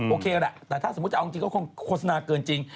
โอเคแหละแต่ถ้าสมมุติจะเอาจริงก็คงโฆษณาเกินจริง